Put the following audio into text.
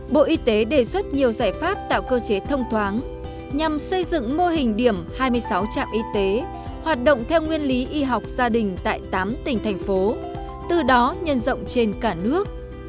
bộ y tế đề xuất nhiều giải pháp tạo cơ chế thông thoáng nhằm xây dựng mô hình điểm hai mươi sáu trạm y tế hoạt động theo nguyên lý y học gia đình tại tám tỉnh thành phố từ đó nhân rộng trên cả nước